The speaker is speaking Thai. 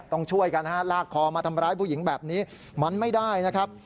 ต้องช่วยกันนะฮะลากคอมาทำร้ายผู้หญิงแบบนี้มันไม่ได้นะครับ